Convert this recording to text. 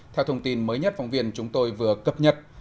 theo thông tin mới nhất phóng viên chúng tôi vừa cập nhật